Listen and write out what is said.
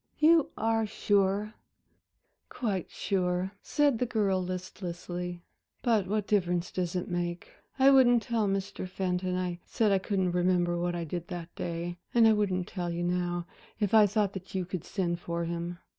You are sure?" "Quite sure," said the girl listlessly, "but what difference does it make? I wouldn't tell Mr. Fenton I said I couldn't remember what I did that day, and I wouldn't tell you now, if I thought that you could send for him.